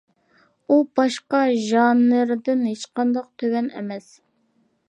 ئۇ باشقا ژانىردىن ھېچقانداق تۆۋەن ئەمەس.